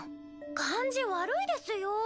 感じ悪いですよ。